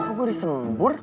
kok gue disembur